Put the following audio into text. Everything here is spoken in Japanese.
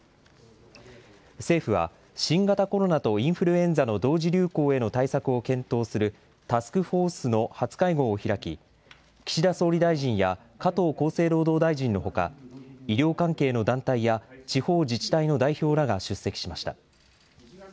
政府は、新型コロナとインフルエンザの同時流行への対策を検討するタスクフォースの初会合を開き、岸田総理大臣や加藤厚生労働大臣のほか、医療関係の団体や、地方自治体の代表らが出席しました。